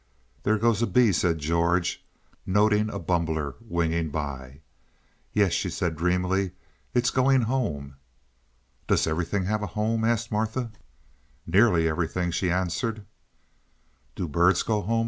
"There goes a bee," said George, noting a bumbler winging by. "Yes," she said, dreamily, "it's going home." "Does everything have a home?" asked Martha. "Nearly everything," she answered. "Do the birds go home?"